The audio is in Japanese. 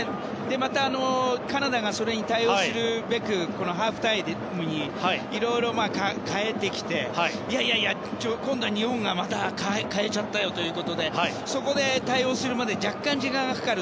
また、カナダがそれに対応すべくハーフタイムにいろいろ代えてきていやいや、今度は日本がまた代えちゃったよということでそこに対応するまで若干時間がかかる。